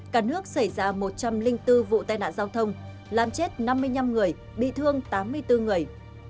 cả nước xảy ra một trăm linh bốn vụ tai nạn giao thông làm chết năm mươi năm người bị thương tám mươi bốn người